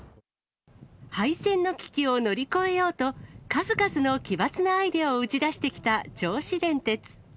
廃線の危機を乗り越えようと、数々の奇抜なアイデアを打ち出してきた銚子電鉄。